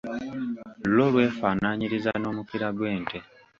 Lwo lwefaananyiriza n’omukira gw'ente.